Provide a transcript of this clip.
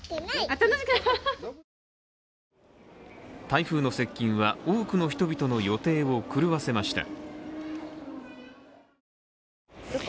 台風の接近は、多くの人々の予定を狂わせました。